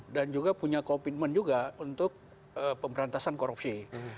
dan juga punya komitmen juga untuk pemberantasan korupsi